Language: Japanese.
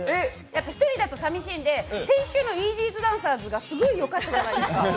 １人だと寂しいので、先週のイージードゥダンサーズがすごい良かったじゃないですか